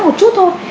một chút thôi